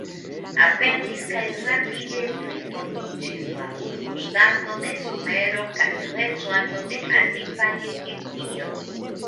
Aperis kaj rapide plifortiĝis la urboŝtatoj de Sumero kaj reĝlando en Antikva Egiptio.